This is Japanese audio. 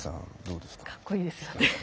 かっこいいですよね。